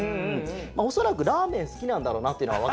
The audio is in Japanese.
おそらくラーメン好きなんだろうなっていうのが。